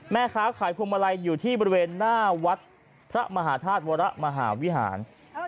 แม่ค้าขายพวงมาลัยอยู่ที่บริเวณหน้าวัดพระมหาธาตุวรมหาวิหาร